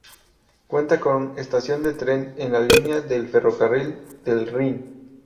Cuenta con estación de tren en la línea del ferrocarril del Rin.